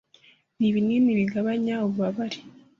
n’ibinini bigabanya ububabare